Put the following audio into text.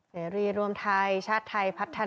เสรีรวมไทยชาติไทยพัฒนา